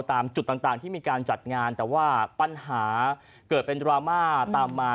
ตามจุดต่างที่มีการจัดงานแต่ว่าปัญหาเกิดเป็นดราม่าตามมา